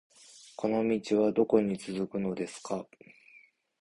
この道はどこに続くのですか